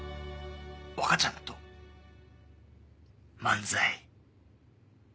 若ちゃんと漫才。